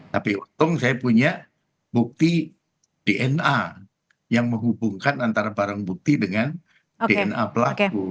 tapi untung saya punya bukti dna yang menghubungkan antara barang bukti dengan dna pelaku